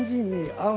合う。